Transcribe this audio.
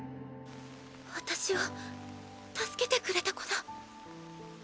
私を助けてくれた子だ。